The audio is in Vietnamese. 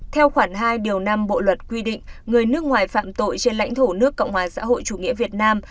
theo khoản hai điều năm bộ luật quy định người nước ngoài phạm tội trên lãnh thổ nước cộng hòa xã hội chủ nghĩa việt nam